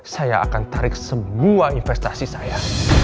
saya akan tarik semua investasi saya